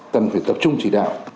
tầm phải tập trung chỉ đạo